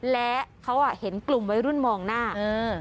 และเขาอ่ะเห็นกลุ่มวัยรุ่นมองหน้าเออ